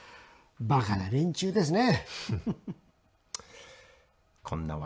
バカな連中ですね」